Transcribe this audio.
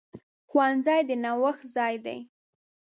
ښوونځی د نوښت ځای دی.